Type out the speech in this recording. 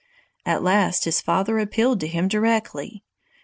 At last his father appealed to him directly.